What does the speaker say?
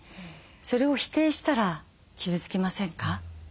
それを否定したら傷つきませんか。